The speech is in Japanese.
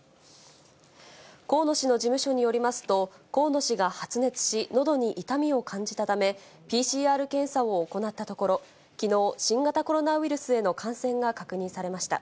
河野氏の事務所によりますと、河野氏が発熱し、のどに痛みを感じたため、ＰＣＲ検査を行ったところ、きのう、新型コロナウイルスへの感染が確認されました。